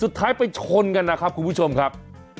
สุดท้ายไปชนกันนะครับคุณผู้ชมครับ